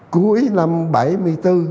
cuối năm một nghìn chín trăm bảy mươi bốn